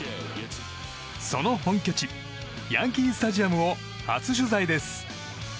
その本拠地ヤンキー・スタジアムを初取材です。